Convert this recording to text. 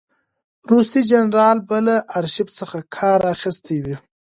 روسي جنرال به له آرشیف څخه کار اخیستی وي.